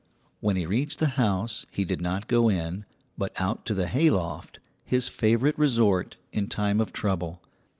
When he reached the house he did not go in, but out to the hayloft, his favourite resort in time of trouble.